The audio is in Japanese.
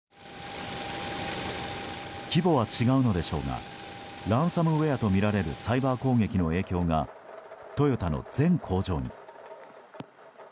規模は違うのでしょうがランサムウェアとみられるサイバー攻撃の影響がトヨタの全工場に。